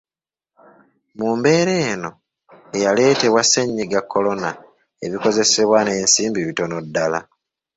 Mu mbeera eno eyaleetebwa ssenyiga Kolona, ebikozesebwa n'ensimbi bitono ddala.